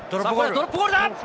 ドロップゴールだ！